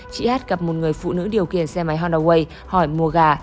chị hát gặp một người phụ nữ điều khiển xe máy honda way hỏi mua gà